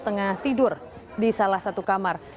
tengah tidur di salah satu kamar